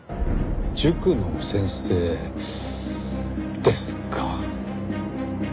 塾の先生ですか。